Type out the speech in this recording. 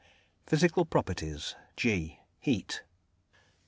PHYSICAL PROPERTIES. G HEAT.